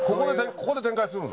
ここで展開するの？